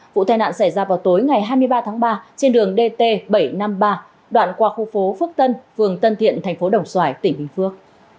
vụ tai nạn xảy ra vào tối ngày hai mươi ba tháng ba trên đường dt bảy trăm năm mươi ba đoạn qua khu phố phước tân phường tân thiện thành phố đồng xoài tỉnh bình phước